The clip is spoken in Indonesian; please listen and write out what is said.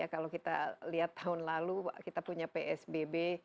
kalau kita lihat tahun lalu kita punya psbb